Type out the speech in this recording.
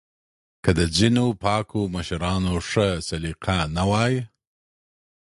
که د ځینو پاکو مشرانو ښه سلیقه نه وای